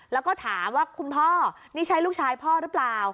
แล้วก็ถามว่าคุณพ่อนี่ใช่ลูกชายพ่อหรือเปล่า